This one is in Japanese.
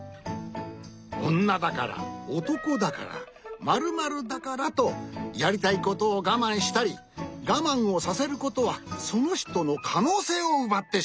おんなだからおとこだから○○だからとやりたいことをがまんしたりがまんをさせることはそのひとのかのうせいをうばってしまう。